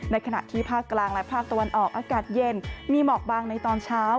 ขณะที่ภาคกลางและภาคตะวันออกอากาศเย็นมีหมอกบางในตอนเช้า